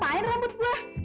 loh apaan rambut gue